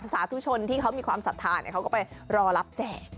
ภาษาทุชนที่เขามีความสัตว์ธาตุเขาก็ไปรอรับแจก